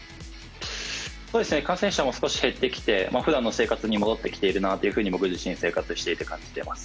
感染者も少し減ってきて、ふだんの生活に戻ってきているなと僕自身生活していて感じます。